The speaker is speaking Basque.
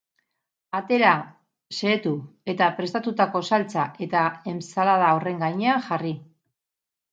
Atera, xehetu, eta prestatutako saltsa eta enbtsalada horren gainean jarri.